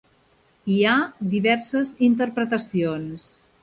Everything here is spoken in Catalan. Hi ha diverses interpretacions.